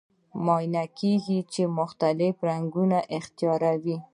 معاینه کیږي چې مختلف رنګونه اختیاروي.